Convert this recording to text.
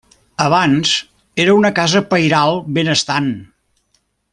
Abans era una casa pairal benestant.